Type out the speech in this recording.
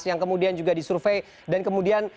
yang kemudian juga disurvey dan kemudian